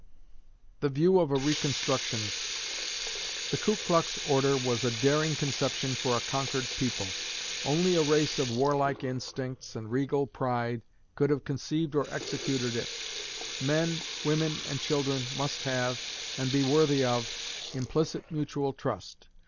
The View of a "Reconstructionist" The Ku Klux Order was a daring conception for a conquered people. Only a race of warlike instincts and regal pride could have conceived or executed it. Men, women, and children must have, and be worthy of, implicit mutual trust.